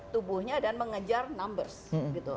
tubuhnya dan mengejar numbers gitu